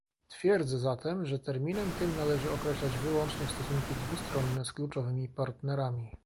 Twierdzę zatem, że terminem tym należy określać wyłącznie stosunki dwustronne z kluczowymi partnerami